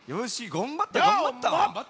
がんばったがんばったよ。